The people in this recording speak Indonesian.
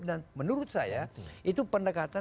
dan menurut saya itu pendekatan